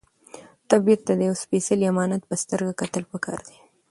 طبیعت ته د یو سپېڅلي امانت په سترګه کتل پکار دي.